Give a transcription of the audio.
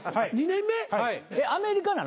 アメリカなの？